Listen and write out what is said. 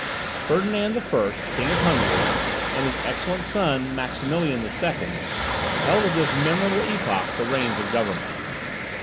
Ferdinand the First, King of Hungary, and his excellent son, Maximilian the Second, held at this memorable epoch the reins of government.